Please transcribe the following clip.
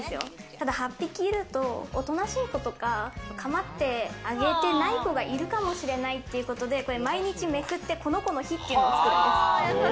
ただ８匹いるとおとなしい子とか、構ってあげてない子がいるかもしれないっていうことで、これを毎日めくって、この子の日っていうのを作ってるんです。